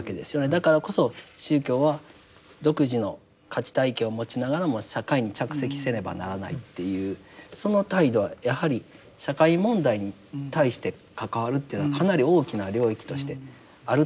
だからこそ宗教は独自の価値体系を持ちながらも社会に着席せねばならないっていうその態度はやはり社会問題に対して関わるというのはかなり大きな領域としてあると思いますね。